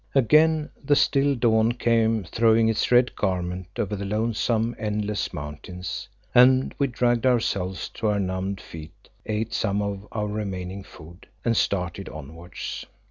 Again, the still dawn came, throwing its red garment over the lonesome, endless mountains, and we dragged ourselves to our numbed feet, ate some of our remaining food, and started onwards.